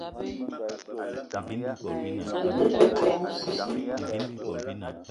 Me te ke ayi nyong oseu.